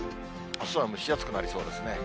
あすは蒸し暑くなりそうですね。